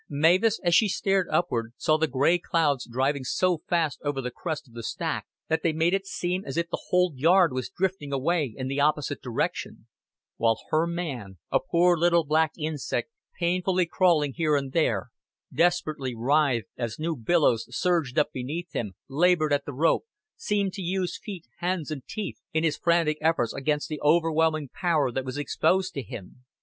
Mavis, as she stared upward, saw the gray clouds driving so fast over the crest of the stack that they made it seem as if the whole yard was drifting away in the opposite direction; while her man, a poor little black insect painfully crawling here and there, desperately writhed as new billows surged up beneath him, labored at the rope, seemed to use feet, hands, and teeth in his frantic efforts against the overwhelming power that was opposed to him.